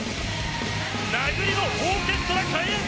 殴りのオーケストラ開演！